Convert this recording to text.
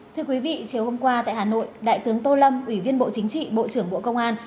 thưa quý vị chiều hôm qua tại hà nội đại tướng tô lâm ủy viên bộ chính trị bộ trưởng bộ công an